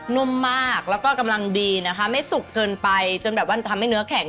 นุ่มมากแล้วกำลังดีไม่สุกเทินไปจนทำให้เนื้อแข็ง